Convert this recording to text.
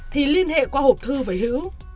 thì liên hệ qua hộp thư với hữu